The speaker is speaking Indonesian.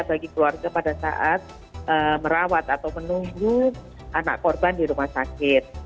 bagi keluarga pada saat merawat atau menunggu anak korban di rumah sakit